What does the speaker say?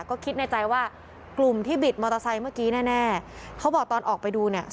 ก็คิดในใจว่ากลุ่มที่บิดมอเตอร์ไซค์เมื่อกี้แน่เขาบอกตอนออกไปดูเนี่ย